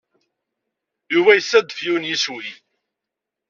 Yuba yessadef yiwen n yeswi.